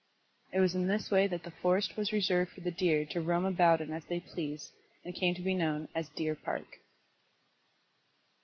It was in this wise that the forest was reserved for the deer to roam about in as they pleased and came to be known as Deer Park.